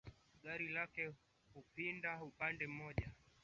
Gari lake hupinda upande moja